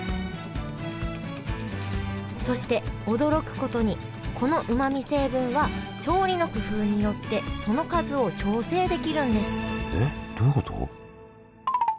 そして驚くことにこのうまみ成分は調理の工夫によってその数を調整できるんですえっどういうこと？